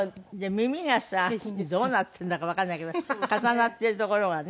耳がさどうなってんだかわかんないけど重なってるところがね。